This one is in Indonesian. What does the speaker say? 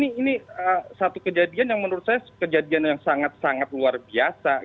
ini satu kejadian yang menurut saya kejadian yang sangat sangat luar biasa